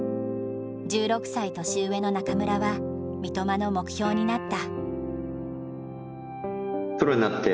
１６歳年上の中村は三笘の目標になった。